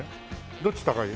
どっち高い？